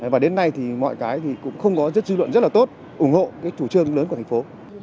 và đến nay thì mọi cái thì cũng không có rất dư luận rất là tốt ủng hộ cái chủ trương lớn của thành phố